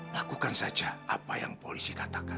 lakukan saja apa yang polisi katakan